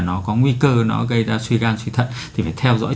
nó có nguy cơ nó gây ra suy gan suy thận thì phải theo dõi